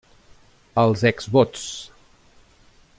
Els Exvots.